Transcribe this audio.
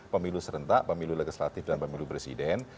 pemilu serentak pemilu legislatif dan pemilu presiden